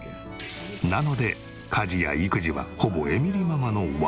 なので家事や育児はほぼエミリママのワンオペ。